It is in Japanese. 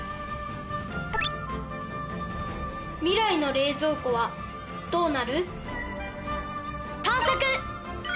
未来の冷蔵庫はどうなる？探索！